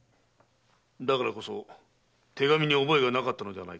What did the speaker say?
だからこそ手紙に覚えがなかったのではないか？